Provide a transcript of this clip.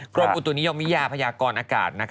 ครบอุตุนิยมวิญญาณพญากรอากาศ